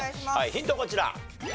ヒントこちら。